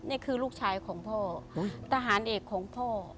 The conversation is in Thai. นี่คือลูกชายของพ่อทหารเอกของพ่อ